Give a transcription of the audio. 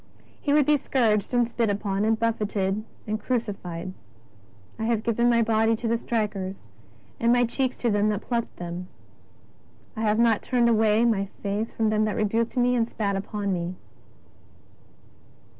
t He would be scourged and spit upon, and buffeted, and crucified :'' I have given my body to the strikers and my cheeks to them that plucked them; I have not turned away my face from them that rebuked me and spat upon me."